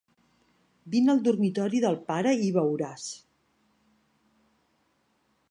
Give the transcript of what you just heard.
Vine al dormitori del pare i veuràs.